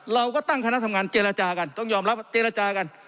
เราก็ตั้งคณะทำงานเจรจากันต้องยอมรับเจรจากัน